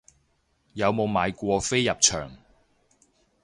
有冇買過飛入場